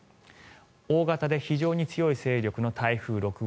大型で非常に強い勢力の台風６号